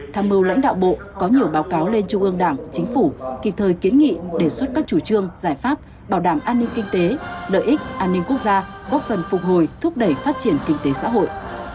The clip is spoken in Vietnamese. tham mưu lãnh đạo bộ có nhiều báo cáo lên trung ương đảng chính phủ kịp thời kiến nghị đề xuất các chủ trương giải pháp bảo đảm an ninh kinh tế lợi ích an ninh quốc gia góp phần phục hồi thúc đẩy phát triển kinh tế xã hội